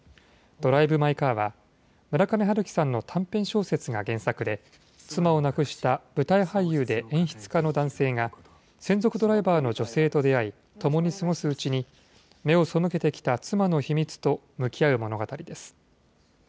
ドライブ・マイ・カーは、村上春樹さんの短編小説が原作で、妻を亡くした舞台俳優で演出家の男性が、専属ドライバーの女性と出会い、共に過ごすうちに、目を背けてきた妻の秘密と向き合う物語です。